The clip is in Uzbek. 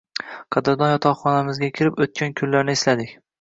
Qadrdon yotoqxonamizga kirib, oʻtgan kunlarni esladik.